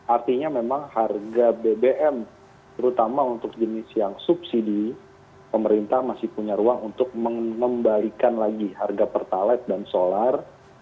artinya memang harga bbm terutama untuk jenis yang subsidi pemerintah masih punya ruang untuk mengembalikan lagi harga pertalite dan solar